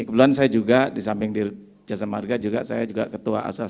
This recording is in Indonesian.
kebetulan saya juga di samping jasa marga juga saya juga ketua asosiasi tol ini